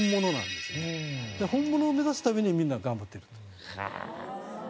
本物を目指すためにみんな頑張ってると。